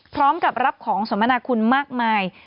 พร้อมกับรับของสมนาคุณมากมาย